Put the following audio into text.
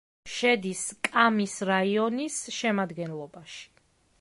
შედის კამის რაიონის შემადგენლობაში.